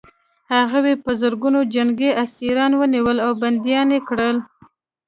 هغوی په زرګونه جنګي اسیران ونیول او بندیان یې کړل